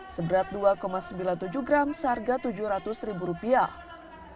seberat dua sembilan puluh tujuh gram seharga tujuh ratus ribu rupiah